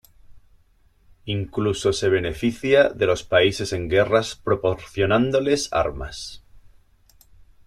Incluso se beneficia de los países en guerras proporcionándoles armas.